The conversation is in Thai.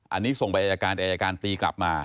อันนี้ส่งไปอายการอายการตีกลับมา